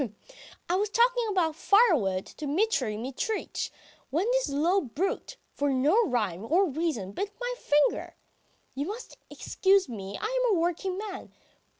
"I was talking about firewood to Mitry Mitritch, when this low brute for no rhyme or reason bit my finger. ... You must excuse me, I am a working man.